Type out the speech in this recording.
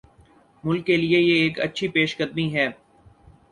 ملک کیلئے یہ ایک اچھی پیش قدمی ہے۔